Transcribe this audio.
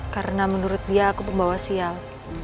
karena menurut dia aku pembawa sial